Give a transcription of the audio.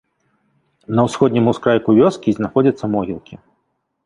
На усходнім ускрайку вёскі знаходзяцца могілкі.